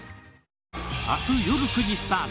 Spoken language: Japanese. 明日夜９時スタート